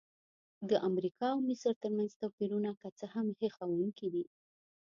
د امریکا او مصر ترمنځ توپیرونه که څه هم هیښوونکي دي.